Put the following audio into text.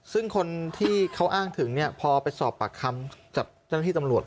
ซึ่งคนที่เขาอ้างถึงพอไปสอบปากคำกับเจ้าหน้าที่ตำรวจ